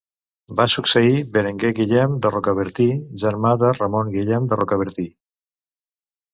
Va succeir Berenguer Guillem de Rocabertí, germà de Ramon Guillem de Rocabertí.